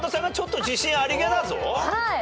はい！